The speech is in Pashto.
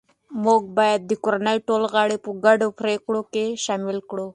موږ باید د کورنۍ ټول غړي په ګډو پریکړو شامل کړو